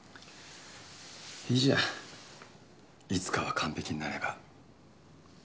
いいじゃんいつかは完璧になれば。